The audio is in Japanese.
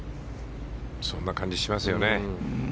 そんな感じがしますよね。